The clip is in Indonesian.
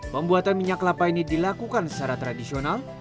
pembuatan minyak kelapa ini dilakukan secara tradisional